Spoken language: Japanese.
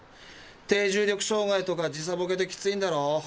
低重力障害とか時差ボケできついんだろ？